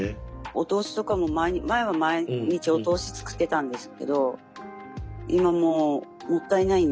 お通しとかも前は毎日お通し作ってたんですけど今もうもったいないんで。